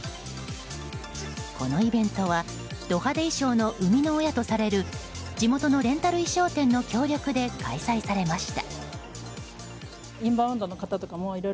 このイベントはド派手衣装の生みの親とされる地元のレンタル衣装店の協力で開催されました。